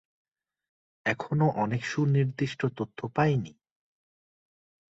এখনও অনেক সুনির্দিষ্ট তথ্য পাইনি।